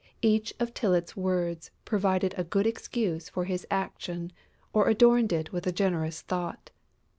Each of Tylette's words provided a good excuse for his action or adorned it with a generous thought.